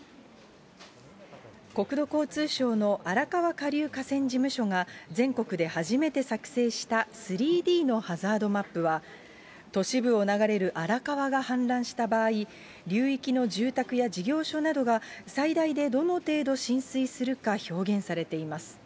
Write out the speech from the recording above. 国土交通省の荒川下流河川事務所が、全国で初めて作成した３Ｄのハザードマップは、都市部を流れる荒川が氾濫した場合、流域の住宅や事業所などが最大でどの程度浸水するか表現されています。